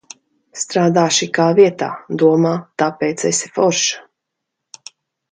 Strādā šikā vietā, domā, tāpēc esi forša.